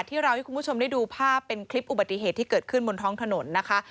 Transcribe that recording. ที่เราให้คุณผู้ชมได้ดูภาพเป็นคลิปอุบัติเหตุที่เกิดขึ้นบนท้องถนนนะคะ